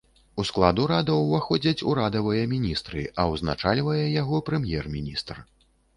У склад урада ўваходзяць урадавыя міністры, а ўзначальвае яго прэм'ер-міністр.